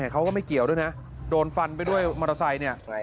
เขาก็ไม่เกี่ยวด้วยนะโดนฟันไปด้วยมอเตอร์ไซค์เนี่ย